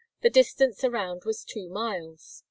The distance around was two miles.